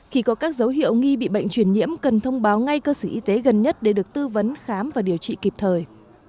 khi có các dấu hiệu nghi bị bệnh truyền nhiễm cần thông báo ngay cơ sở y tế gần nhất để được tư vấn khám và điều trị kịp thời